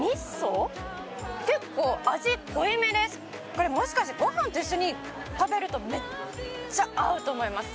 これもしかしてご飯と一緒に食べるとめっちゃ合うと思います。